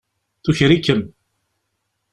Tuker-ikem.